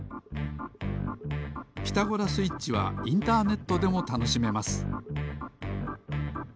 「ピタゴラスイッチ」はインターネットでもたのしめます。